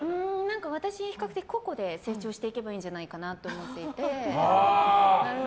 私、比較的個々で成長していけばいいんじゃないかなって思っていて。